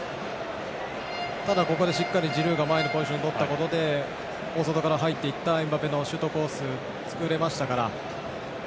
ただ、しっかりジルーが前のポジションをとったことで大外から入っていったエムバペのシュートコースが作れましたから。